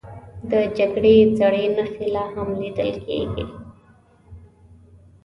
د جګړې زړې نښې لا هم لیدل کېږي.